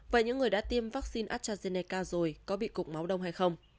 và những người đã tiêm vaccine astrazeneca rồi có bị cục máu đông hay không